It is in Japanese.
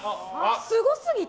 すごすぎて。